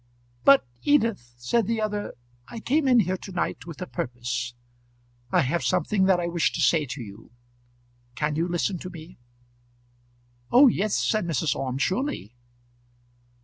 "But, Edith," said the other, "I came in here to night with a purpose. I have something that I wish to say to you. Can you listen to me?" "Oh yes," said Mrs. Orme; "surely."